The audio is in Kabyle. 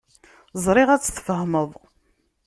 Ẓriɣ ad tt-tfehmeḍ.